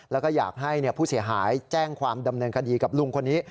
แล้วก็อยากให้ผู้เสียหายแจ้งความดำเนินคดีกับลุงคนนี้